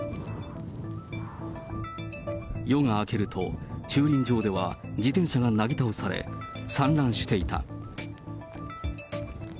夜が明けると、駐輪場では自転車がなぎ倒され、散乱していた。